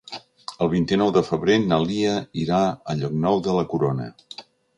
El vint-i-nou de febrer na Lia irà a Llocnou de la Corona.